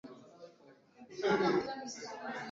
na hata kufikiahatua ya kuoana wakioana watoto